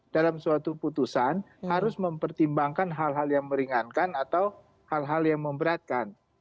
dalam suatu putusan harus mempertimbangkan hal hal yang meringankan atau hal hal yang memberatkan